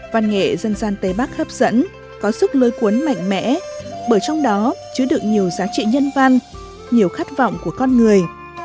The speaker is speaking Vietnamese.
văn nghệ dân gian tây bắc hấp dẫn có sức lôi cuốn mạnh mẽ bởi trong đó chứa được nhiều giá trị nhân văn nhiều khát vọng của con người